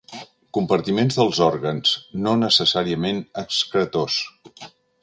Compartiments dels òrgans, no necessàriament excretors.